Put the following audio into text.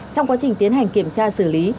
trong quá trình tiến hành kiểm tra xử lý